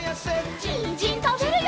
にんじんたべるよ！